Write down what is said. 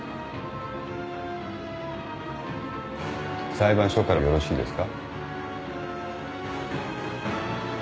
裁判所からよろしいですか。